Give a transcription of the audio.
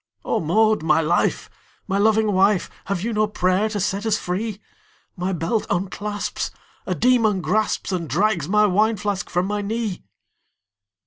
"O Maud, my life! my loving wife! Have you no prayer to set us free? My belt unclasps, a demon grasps And drags my wine flask from my knee!"